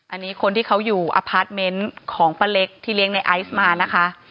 อันนี้คนที่เขาอยู่อพาร์ทเมนต์ของป้าเล็กที่เลี้ยงในไอซ์มานะคะ